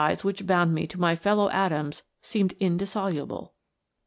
ties which bound me t'o my fellow atoms seemed indissoluble.